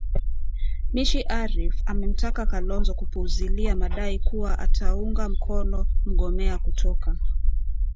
Mishi Arif amemtaka kalonzo kupuzzilia madai kuwa ataunga mkono mgomea kutoka